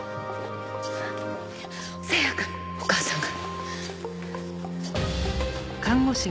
星也くんお母さんが。